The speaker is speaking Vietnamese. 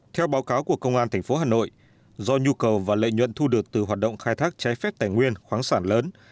theo báo cáo của công an tp hà nội do nhu cầu và lợi nhuận thu được từ hoạt động khai thác trái phép tài nguyên khoáng sản lớn